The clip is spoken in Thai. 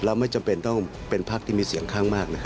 ไม่จำเป็นต้องเป็นพักที่มีเสียงข้างมากนะ